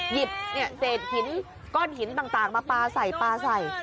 หยิบเศษหินก้อนหินต่างมาปลาใส่ปลาใส่